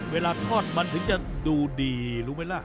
เวลาทอดมันถึงจะดูดีรู้ไหมล่ะ